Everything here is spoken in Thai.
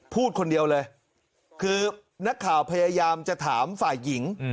พูดคนเดียวเลยคือนักข่าวพยายามจะถามฝ่ายหญิง